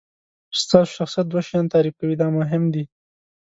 ستاسو شخصیت دوه شیان تعریف کوي دا مهم دي.